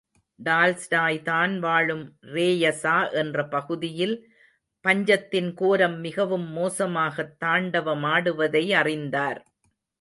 Tolstoy தான் வாழும் ரேயசா என்ற பகுதியில் பஞ்சத்தின் கோரம் மிகவும் மோசமாகத் தாண்டவமாடுவதை அறிந்தார்.